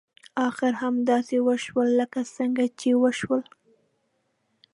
اخر همداسې وشول لکه څنګه چې وشول.